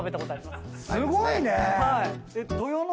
すごいね！